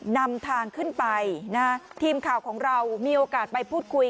นำทางขึ้นไปนะฮะทีมข่าวของเรามีโอกาสไปพูดคุย